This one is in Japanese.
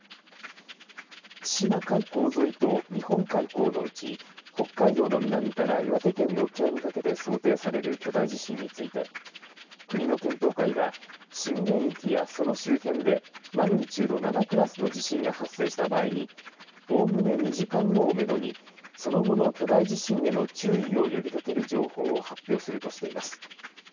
千島海溝沿いと日本海溝のうち、北海道の南から岩手県の沖合にかけて想定される巨大地震について国の検討会は震源域やその周辺でマグニチュード７クラスの地震が発生した場合におおむね２時間後をめどにその後の巨大地震への注意を呼びかける情報を発表するとしています。